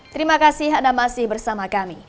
terima kasih anda masih bersama kami